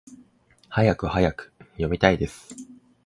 はやくはやく！読みたいです！